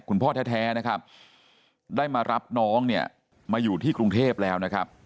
คุณพ่อแท้นะครับได้มารับน้องเนี่ยมาอยู่ที่กรุงเทพแล้วนะครับ